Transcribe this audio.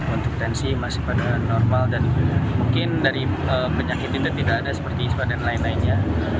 untuk tensi masih pada normal dan mungkin dari penyakit itu tidak ada seperti ispa dan lain lainnya